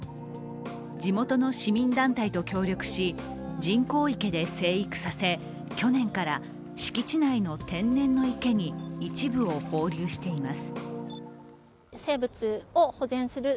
地元の市民団体と協力し、人工池で生育させ、去年から敷地内の天然の池に一部を放流しています。